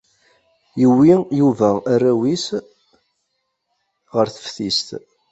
Yewwi Yuba arraw-nnes ɣer teftist.